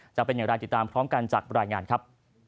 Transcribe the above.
จะเป็นอย่างไรติดตามพร้อมกันจากรายงานครับ